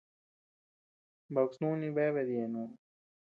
Baku snuni bea bedyeno.